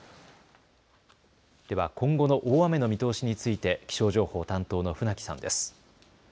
では今後の大雨の見通しについて気象情報担当の船木さんです。